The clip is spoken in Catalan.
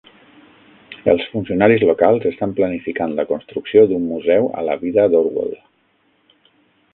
Els funcionaris locals estan planificant la construcció d'un museu a la vida d'Orwell.